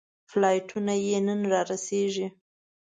فلایټونه یې نن رارسېږي.